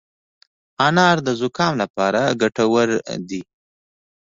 انار د زکام لپاره ګټور دی.